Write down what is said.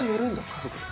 家族で。